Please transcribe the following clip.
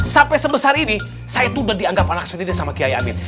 sampai sebesar ini saya tuh udah dianggap anak sendiri sama kiai amin